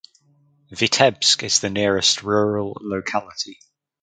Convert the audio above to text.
Vitebsk is the nearest rural locality.